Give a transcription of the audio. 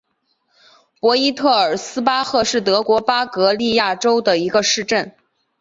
博伊特尔斯巴赫是德国巴伐利亚州的一个市镇。